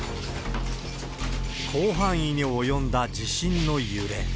広範囲に及んだ地震の揺れ。